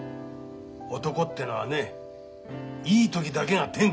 男ってのはねいい時だけが天下なんです。